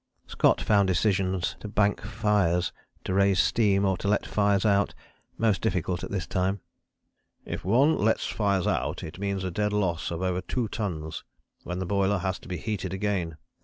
Scott found decisions to bank fires, to raise steam or to let fires out, most difficult at this time. "If one lets fires out it means a dead loss of over two tons, when the boiler has to be heated again.